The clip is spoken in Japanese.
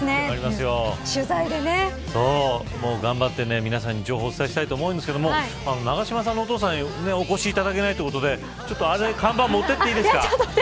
頑張って皆さんに情報をお伝えしたいと思うんですけど永島さんのお父さんにお越しいただけないということであの看板、持って行ってもいいですか。